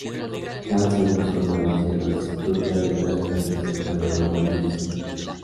Hansen buscó nuevas hierbas, frutas y otras plantas en toda Europa y Asia.